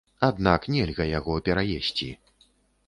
Аднак нельга яго пераесці.